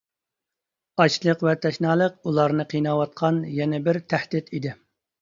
ئاچلىق ۋە تەشنالىق ئۇلارنى قىيناۋاتقان يەنە بىر تەھدىت ئىدى.